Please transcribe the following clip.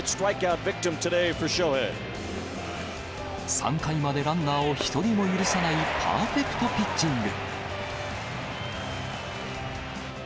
３回までランナーを１人も許さないパーフェクトピッチング。